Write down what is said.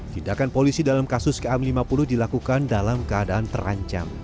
tindakan polisi dalam kasus km lima puluh dilakukan dalam keadaan terancam